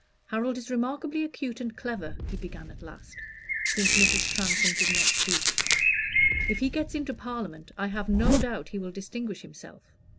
"Harold is remarkably acute and clever," he began at last, since Mrs. Transome did not speak. "If he gets into Parliament, I have no doubt he will distinguish himself.